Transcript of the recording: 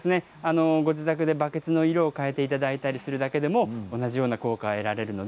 ご自宅でバケツの色を変えていただくだけでも同じような効果が得られます。